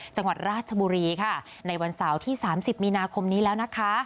จังหวัดราชบุรีค่ะในวันเสาร์ที่๓๐มีนาคมนี้แล้วนะคะ